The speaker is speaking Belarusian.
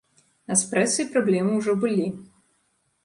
А з прэсай праблемы ўжо былі.